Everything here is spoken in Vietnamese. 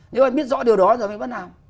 nếu anh biết rõ điều đó rồi thì phải bắt nào